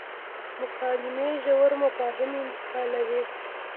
مکالمې ژور مفاهیم انتقالوي.